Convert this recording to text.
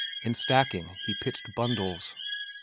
In stacking he pitched bundles.